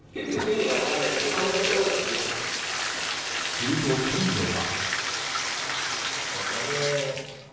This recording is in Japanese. すると、今度は。